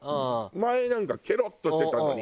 前なんかケロッとしてたのに。